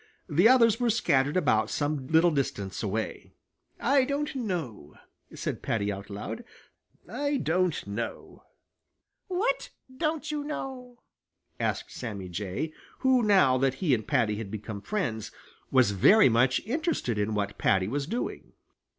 The others were scattered about some little distance away. "I don't know," said Paddy out loud. "I don't know." "What don't you know?" asked Sammy Jay, who, now that he and Paddy had become friends, was very much interested in what Paddy was doing.